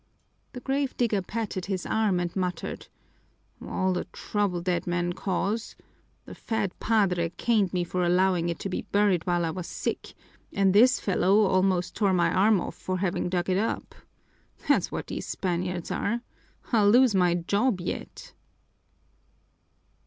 The grave digger patted his arm and muttered, "All the trouble dead men cause! The fat padre caned me for allowing it to be buried while I was sick, and this fellow almost tore my arm off for having dug it up. That's what these Spaniards are! I'll lose my job yet!"